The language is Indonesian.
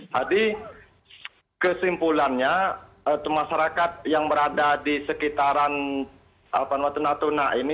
jadi kesimpulannya masyarakat yang berada di sekitaran natuna ini